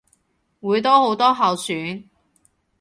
會多好多候選